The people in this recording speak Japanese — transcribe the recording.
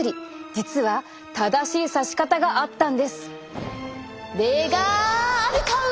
実は正しいさし方があったんです。